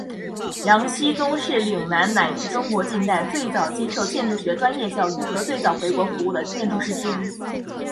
杨锡宗是岭南乃至中国近代最早接受建筑学专业教育和最早回国服务的建筑师之一。